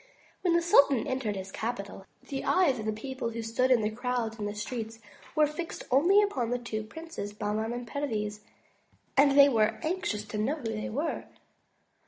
When the sultan entered his capital, the eyes of the people who stood in crowds in the streets, were fixed only upon the two princes, Bahman and Perviz; and they were anxious to know who they were.